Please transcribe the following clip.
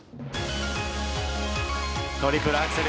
トリプルアクセル